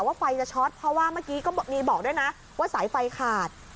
ไฟจะช็อตเพราะว่าเมื่อกี้ก็มีบอกด้วยนะว่าสายไฟขาด